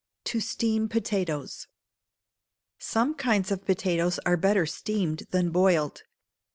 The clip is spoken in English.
To Steam Potatoes. Some kinds of potatoes are better steamed than boiled.